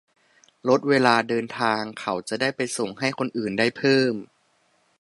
- ลดเวลาเดินทาง เขาจะได้ไปส่งให้คนอื่นได้เพิ่ม